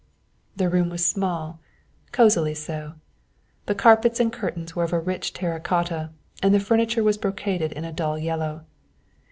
The room was small, cosily so. The carpets and curtains were of a rich terra cotta and the furniture was brocaded in a dull yellow.